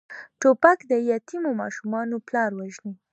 توپک د یتیمو ماشومانو پلار وژني.